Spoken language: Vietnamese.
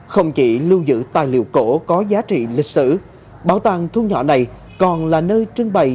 không chỉ lưu giữ tài liệu cổ có giá trị lịch sử bảo tàng thu nhỏ này còn là nơi trưng bày